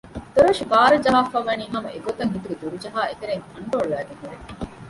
ދޮރޯށި ބާރަށް ޖަހާފައި ވަނީ ހަމަ އެގޮތަށް ހިތުގެ ދޮރުޖަހައި އެތެރެއިން ތަންޑު އަޅައިގެން ހުރޭ